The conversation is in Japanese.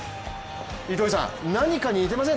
糸井さん、何かに似てません？